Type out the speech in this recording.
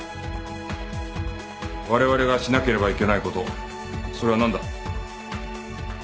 我々がしなければいけない事それはなんだ？